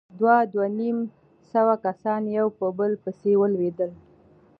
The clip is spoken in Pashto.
دوه، دوه نيم سوه کسان يو په بل پسې ولوېدل.